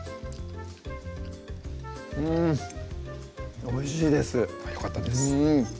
うんおいしいですよかったです